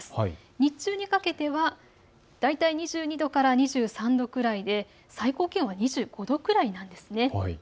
日中にかけては大体２２度から２３度くらいで最高気温は２５度くらいなんです。